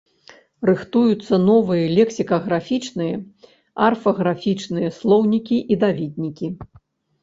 Рыхтуюцца новыя лексікаграфічныя, арфаграфічныя слоўнікі і даведнікі.